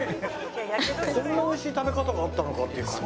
こんな美味しい食べ方があったのかっていう感じ。